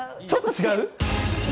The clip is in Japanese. ちょっと違う？